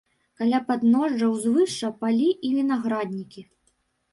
Каля падножжа ўзвышша палі і вінаграднікі.